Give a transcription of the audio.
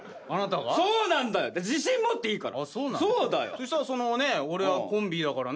そしたらそのね俺はコンビだからね